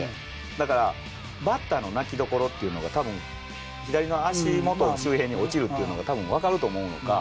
だから、バッターの泣きどころっていうのが、たぶん左の足元の周辺に落ちるっていうのはたぶん分かると思うんやんか。